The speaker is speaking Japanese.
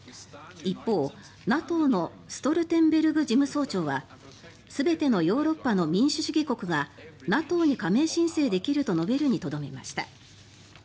一方、ＮＡＴＯのストルテンベルグ事務総長は全てのヨーロッパの民主主義国がＮＡＴＯに加盟申請できると述べるにとどめました。